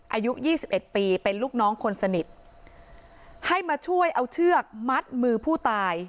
อายุยี่สิบเอ็ดปีเป็นลูกน้องคนสนิทให้มาช่วยเอาเชือกมัดมือผู้ตาย